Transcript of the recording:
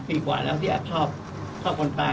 ปีกว่าแล้วที่แอบชอบคนตาย